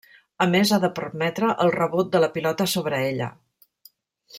A més ha de permetre el rebot de la pilota sobre ella.